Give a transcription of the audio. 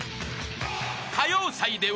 ［歌謡祭では］